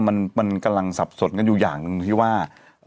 มันกำลังสับสนกันอยู่อย่างหนึ่งที่ว่า